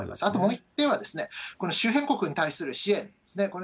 あともう１点は、この周辺国に対する支援ですね。